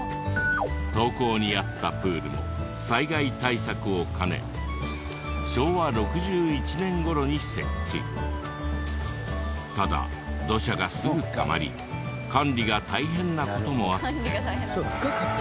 投稿にあったプールもただ土砂がすぐたまり管理が大変な事もあって。